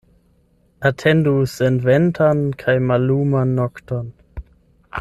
Atendu senventan kaj malluman nokton.